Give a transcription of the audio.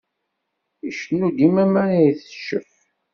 Icennu dima mara iteccef.